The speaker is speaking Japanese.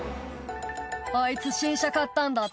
「あいつ新車買ったんだって」